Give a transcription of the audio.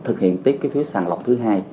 thực hiện tiếp cái phiếu sàng lọc thứ hai